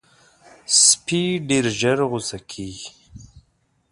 سپي ډېر ژر غصه کېږي.